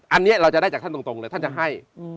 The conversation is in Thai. อันนี้เราจะได้จากท่านตรงเลยท่านจะให้